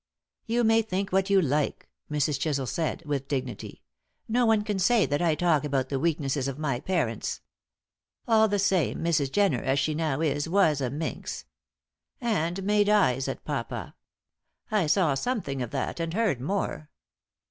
"You may think what you like," Mrs. Chisel said with dignity. "No one can say that I talk about the weaknesses of my parents. All the same, Mrs. Jenner, as she now is, was a minx, And made eyes at papa. I saw something of that, and I heard more.